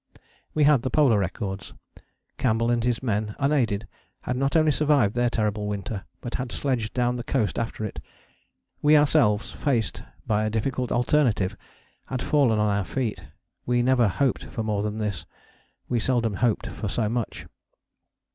We had the Polar records: Campbell and his men, unaided, had not only survived their terrible winter, but had sledged down the coast after it. We ourselves, faced by a difficult alternative, had fallen on our feet. We never hoped for more than this: we seldom hoped for so much.